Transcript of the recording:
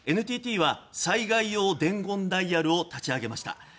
ＮＴＴは災害用伝言ダイヤルを立ち上げました。